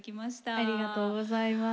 ありがとうございます。